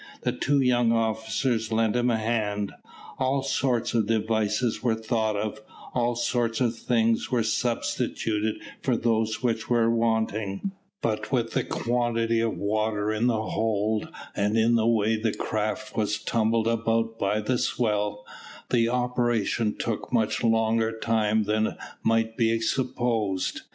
The two young officers lent him a hand. All sorts of devices were thought of, all sorts of things were substituted for those which were wanting; but with the quantity of water in the hold, and in the way the craft was tumbled about by the swell, the operation took much longer time than might be supposed.